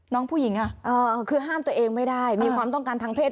น้องผู้หญิงคือห้ามตัวเองไม่ได้มีความต้องการทางเศษ